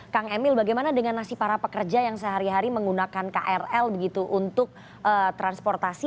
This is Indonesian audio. kang emil bagaimana dengan nasib para pekerja yang sehari hari menggunakan krl begitu untuk transportasi